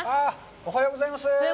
おはようございます。